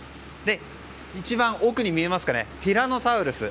一番奥に見えますかねティラノサウルス。